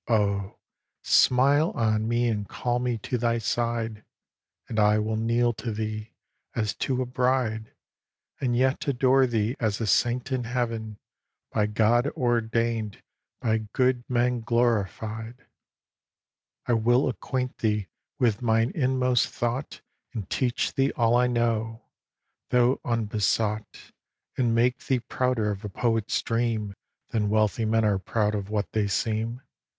Oh, smile on me and call me to thy side, And I will kneel to thee, as to a bride, And yet adore thee as a saint in Heaven By God ordained, by good men glorified! vi. I will acquaint thee with mine inmost thought And teach thee all I know, though unbesought, And make thee prouder of a poet's dream Than wealthy men are proud of what they seem.